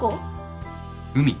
海？